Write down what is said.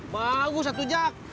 bagus atu jak